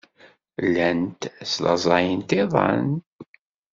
Llant slaẓayent iḍan.